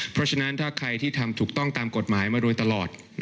เพราะฉะนั้นถ้าใครที่ทำถูกต้องตามกฎหมายมาโดยตลอด